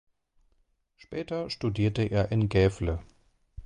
Später studierte er in Gävle.